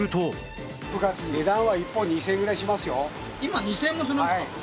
今２０００円もするんですか？